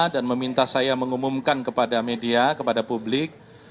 dan meminta saya mengumumkan kepada media kepada publik